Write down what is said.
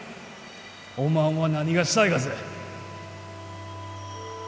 おまんは何がしたいがぜ？